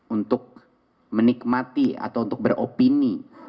untuk menikmati atau untuk beropini